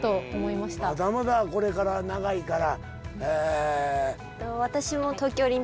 まだまだこれから長いから。